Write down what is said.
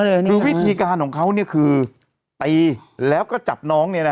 เลยคือวิธีการของเขาเนี้ยคือตีแล้วก็จับน้องเนี้ยนะ